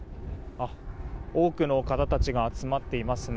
多くの方たちが集まっていますね。